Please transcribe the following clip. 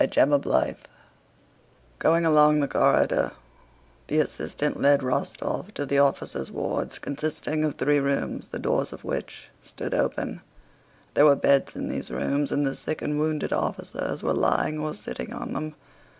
CHAPTER XVIII Going along the corridor, the assistant led Rostóv to the officers' wards, consisting of three rooms, the doors of which stood open. There were beds in these rooms and the sick and wounded officers were lying or sitting on them.